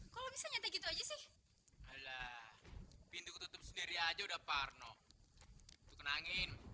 kalau bisa nyetek gitu aja sih ala pintu tutup sendiri aja udah parno kenangin